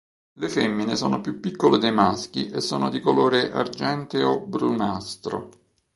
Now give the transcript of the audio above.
Le femmine sono più piccole dei maschi e sono di colore argenteo brunastro.